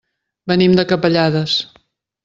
Venim de Capellades.